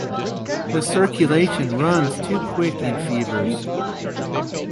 The circulation runs too quick in fevers.